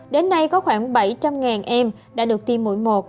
đến nay có khoảng bảy trăm linh em đã được tiêm mũi một